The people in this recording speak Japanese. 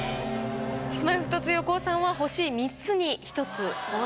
Ｋｉｓ−Ｍｙ−Ｆｔ２横尾さんは星３つに１つ後退です。